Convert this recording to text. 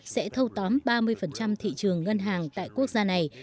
sẽ thâu tóm ba mươi thị trường ngân hàng tại quốc gia này